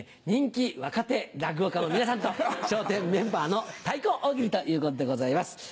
人気若手落語家の皆さんと笑点メンバーの対抗大喜利ということでございます。